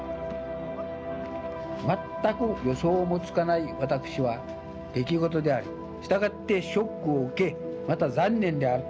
全く予想もつかない私は出来事でありしたがってショックを受けまた残念であると。